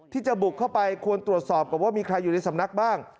ที่จะบุกเข้าไปควรตรวจสอบก่อนว่ามีใครอยู่ในสำนักบ้าง